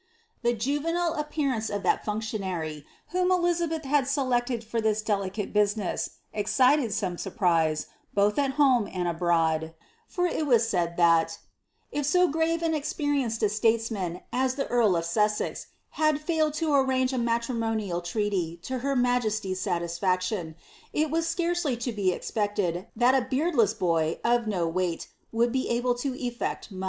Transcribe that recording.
The juvenile appearance of the functionary, whom Elizabeth had •elected for this delicate business, excited some surprise, both at home iod abroad, for it was said that, ^^ if so grave and experienced a states man as tfie earl of Sussex had failed to arrange a matrimonial treaty to her majesty's satisfaction, it was scarcely to be expected that a beardless boy, ik no weight, would be able to effect much."'